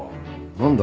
何だ？